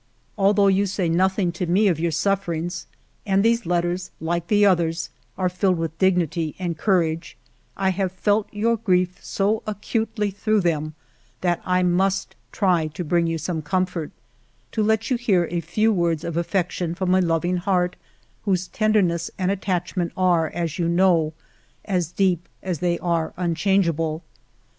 Al though you say nothing to me of your sufferings, and these letters, like the others, are filled with dignity and courage, I have felt your grief so acutely through them that I must try to bring you some comfort, — to let you hear a few words of affection from a loving heart whose tenderness and attachment are, as you know, as deep as they are unchangeable.